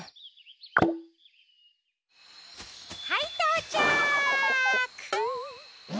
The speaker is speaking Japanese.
はいとうちゃく！